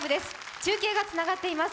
中継がつながっています。